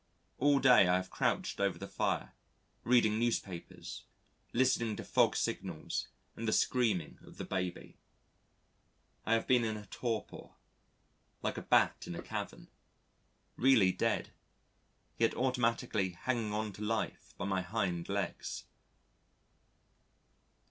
All day I have crouched over the fire, reading newspapers, listening to fog signals and the screaming of the baby.... I have been in a torpor, like a Bat in a cavern really dead yet automatically hanging on to life by my hind legs.